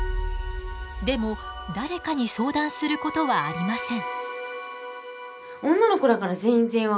でも誰かに相談することはありません。